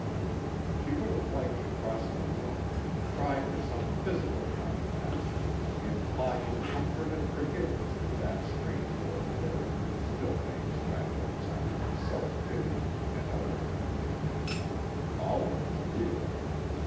She would have liked to cross the room, try for some physical contact implying comfort and forgiveness with that stranger over there who still made strangled sounds of self pity and other kinds of pain, all of them real.